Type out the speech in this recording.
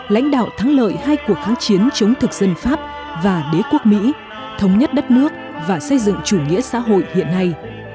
lãnh đạo thắng lợi hai cuộc kháng chiến chống thực dân pháp và đế quốc mỹ thống nhất đất nước và xây dựng chủ nghĩa xã hội hiện nay